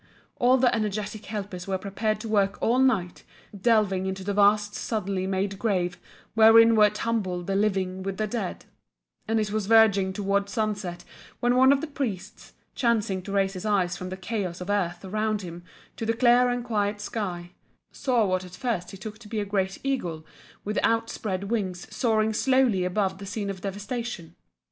All the energetic helpers were prepared to work all night, delving into the vast suddenly made grave wherein were tumbled the living with the dead, and it was verging towards sunset when one of the priests, chancing to raise his eyes from the chaos of earth around him to the clear and quiet sky, saw what at first he took to be a great eagle with outspread wings soaring slowly above the scene of devastation.